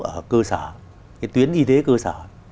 ở cơ sở cái tuyến y tế cơ sở